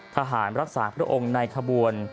ทหารรักษาพระองค์ในขบวน